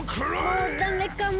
もうダメかも。